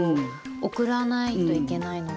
送らないといけないので。